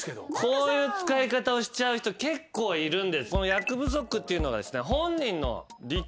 こういう使い方をしちゃう人結構いるんです。